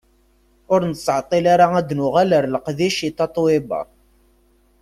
Ur nettɛeṭṭil ara ad d-nuɣal ar leqdic i Tatoeba.